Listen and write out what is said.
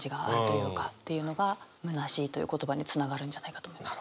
っていうのがむなしいという言葉につながるんじゃないかと思いました。